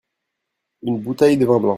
une boutaille de vin blanc.